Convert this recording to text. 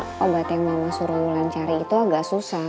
tapi emang kebetulan obat yang mama suruh bulan cari itu agak susah